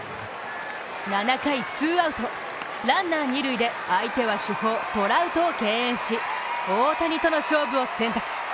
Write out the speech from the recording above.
７回ツーアウト、ランナー、二塁で相手は主砲・トラウトを敬遠し大谷との勝負を選択。